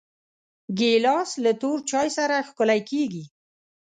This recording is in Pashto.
ګیلاس له تور چای سره ښکلی کېږي.